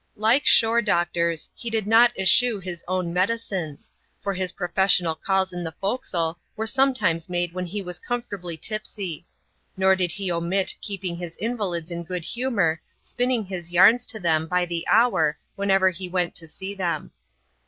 Like shore doctors, he did not eschew his own medicines, for his professional calls in the fore castle were sometimes made when he was comfortably tipsy : nor did he omit keeping his invalids in good humour, spinning his yams to them, by the hour, whenever he went to see them.